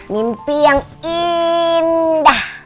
mimpi yang indah